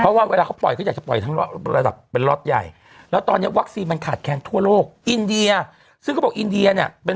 เพราะว่าเขาจะปล่อยท้อไปเป็นลดใหญ่แล้วตอนงานวัสดิ์กี้